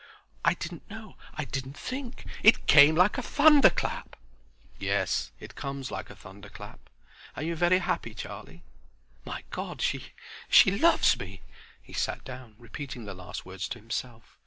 "I didn't know; I didn't think—it came like a thunderclap." "Yes. It comes like a thunderclap. Are you very happy, Charlie?" "My God—she—she loves me!" He sat down repeating the last words to himself.